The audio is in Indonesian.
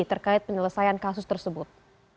terkait penelesaian kasus tersebut